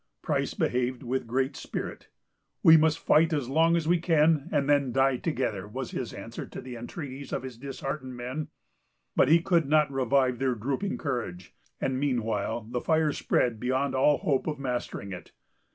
Price behaved with great spirit. "We must fight as long as we can, and then die together," was his answer to the entreaties of his disheartened men. But he could not revive their drooping courage, and meanwhile the fire spread beyond all hope of mastering it.